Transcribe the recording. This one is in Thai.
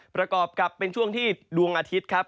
ประกอบกับเป็นช่วงที่ดวงอาทิตย์ครับ